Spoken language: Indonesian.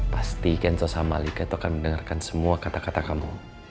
pasti kenzo sama alika akan mendengarkan semua kata kata kamu